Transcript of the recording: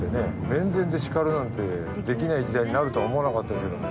面前で叱るなんてできない時代になると思わなかったけど。